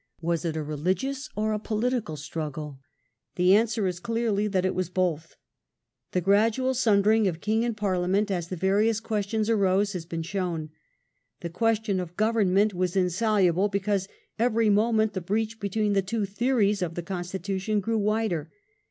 Was it a religious or a political struggle? The answer is Religion or clearly that it was both. The gradual sun Poiitics? dering of king and Parliament as the various questions arose has been shown. The question of government was insoluble, because every moment the breach between the two theories of the constitution grew wider.